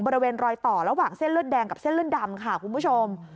บริเวณรอยต่อระหว่างเส้นเลือดแดงกับเส้นเลือดดำค่ะคุณผู้ชม